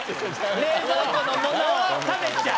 冷蔵庫のものを食べちゃう。